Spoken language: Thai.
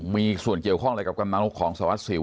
มีส่วนเกี่ยวข้างอะไรกับกำหนดของสวรรค์ศิลป์